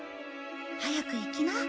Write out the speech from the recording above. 早く行きな。